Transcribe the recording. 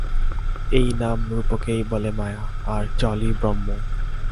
এই নাম-রূপকেই বলে মায়া, আর জলই ব্রহ্ম।